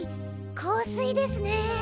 香水ですね。